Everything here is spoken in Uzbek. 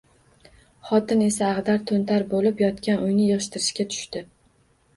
Xotin esa ag`dar-to`ntar bo`lib yotgan uyni yig`ishtirishga tushdi